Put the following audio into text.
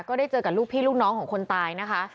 ได้เจอกับลูกพี่ลูกน้องของคนตายนะคะ